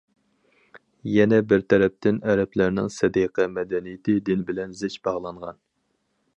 يەنە بىر تەرەپتىن، ئەرەبلەرنىڭ سەدىقە مەدەنىيىتى دىن بىلەن زىچ باغلانغان.